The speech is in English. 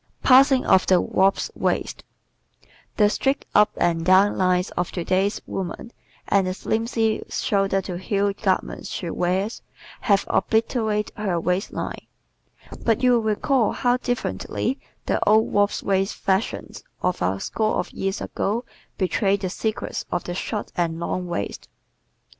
Passing of the "Wasp Waist" ¶ The "straight up and down" lines of today's woman and the slimpsy shoulder to heel garments she wears have obliterated her waistline, but you will recall how differently the old "wasp waist" fashions of a score of years ago betrayed the secrets of the short and long waist.